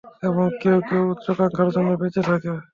এবং কেউ কেউ উচ্চাকাঙ্ক্ষার জন্য বেঁচে থাকে।